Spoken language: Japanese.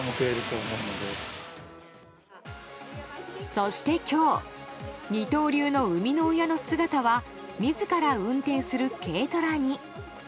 そして今日二刀流の生みの親の姿は自ら運転する軽トラに。